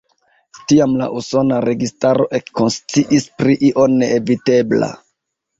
Tiam la usona registaro ekkonsciis pri io neevitebla.